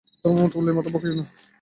ধর্মের মতামত লইয়া মাথা বকাইও না।